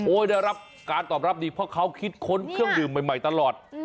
ได้รับการตอบรับดีเพราะเขาคิดค้นเครื่องดื่มใหม่ตลอด